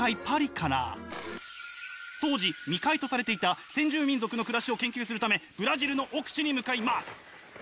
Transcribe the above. パリから当時未開とされていた先住民族の暮らしを研究をするためブラジルの奥地に向かいます。